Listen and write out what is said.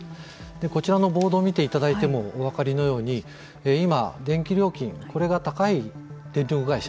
こちらのボードを見ていただいてもお分かりのように今、電気料金これが高い電力会社